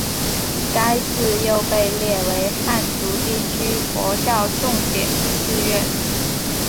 该寺又被列为汉族地区佛教全国重点寺院。